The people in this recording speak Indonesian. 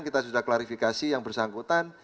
kita sudah klarifikasi yang bersangkutan